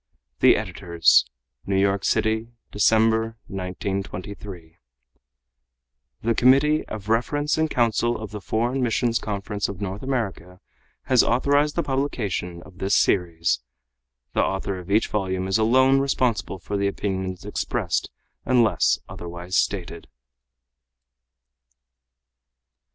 The Editors. New York city, December, 1923. The Committee of Reference and Counsel of the Foreign Missions Conference of North America has authorized the publication of this series. The author of each volume is alone responsible for the opinions expressed, unless otherwise stated.